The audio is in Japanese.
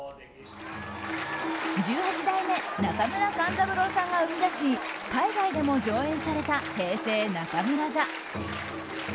十八代目中村勘三郎さんが生み出し海外でも上演された「平成中村座」。